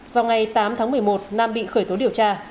vào ngày tám tháng một mươi một nam bị khởi tố điều tra